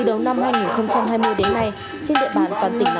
trên địa bàn toàn tỉnh nạng sơn đã xảy ra một phòng cháy trên địa bàn nguyễn định lập